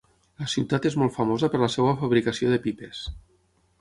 La ciutat és molt famosa per la seva fabricació de pipes.